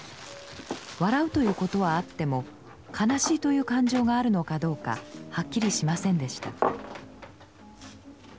笑うということはあっても悲しいという感情があるのかどうかはっきりしませんでした。